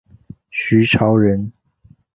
徐潮人。